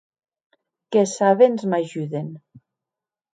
Qu’es sabents m’ajuden.